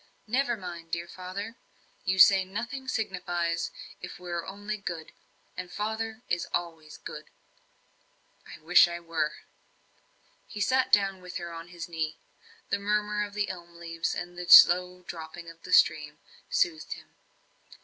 "Never mind, dear father. You say nothing signifies, if we are only good. And father is always good." "I wish I were." He sat down with her on his knee; the murmur of the elm leaves, and the slow dropping of the stream, soothed him.